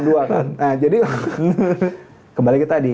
nah jadi kembali ke tadi